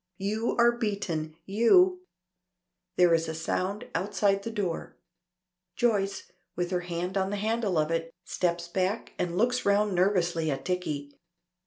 "You are beaten, you " There is a sound outside the door; Joyce with her hand on the handle of it, steps back and looks round nervously at Dicky.